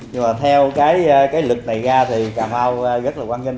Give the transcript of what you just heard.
nhưng mà theo cái lực này ra thì cà mau rất là quan vinh